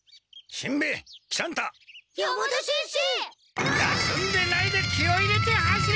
休んでないで気を入れて走れ！